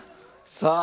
さあ。